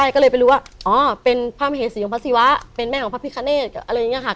ก็เลยไปรู้ว่าอ๋อเป็นพระมเหสีของพระศิวะเป็นแม่ของพระพิคเนตอะไรอย่างนี้ค่ะ